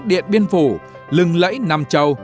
điện biên phủ lừng lẫy nam châu